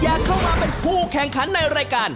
อยากเข้ามาเป็นผู้แข่งขันในรายการ